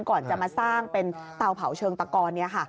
ก่อนจะมาสร้างเป็นเตาเผาเชิงตะกอน